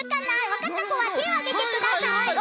わかったこはてをあげてください。